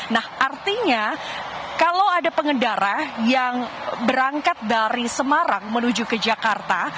nah artinya kalau ada pengendara yang berangkat dari semarang menuju ke jakarta